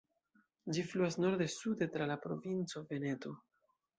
Ĝi fluas norde-sude tra la provinco Veneto.